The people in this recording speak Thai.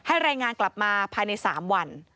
รายงานกลับมาภายใน๓วัน